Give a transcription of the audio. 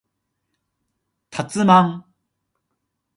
たつまん